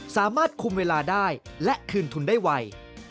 สามารถคุมเวลาได้และคืนทุนได้ไว